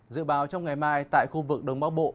dự báo trong ngày mai tại khu vực đông bắc bộ